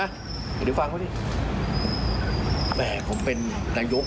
เอาที่ดูฟังเขาสิแหมผมเป็นนายก